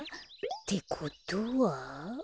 ってことは。